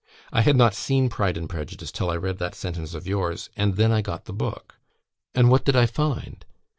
"I had not seen 'Pride and Prejudice' till I read that sentence of yours, and then I got the book. And what did I find?